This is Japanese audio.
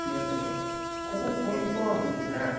ここポイントなんですね。